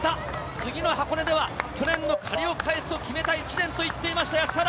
次の箱根では去年の借りを返すと決めた１年と言っていました安原。